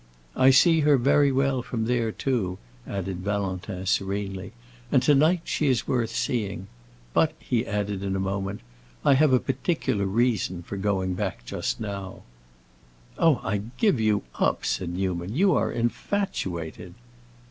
"I see her very well from there, too," added Valentin, serenely, "and to night she is worth seeing. But," he added in a moment, "I have a particular reason for going back just now." "Oh, I give you up," said Newman. "You are infatuated!"